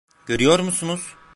Görüyor musunuz?